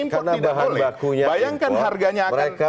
karena bahan bakunya impor mereka